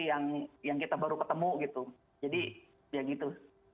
yang kita baru ketemu gitu jadi ya gitu